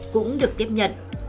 cũng được tiếp nhận